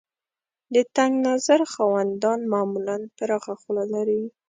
د تنګ نظر خاوندان معمولاً پراخه خوله لري.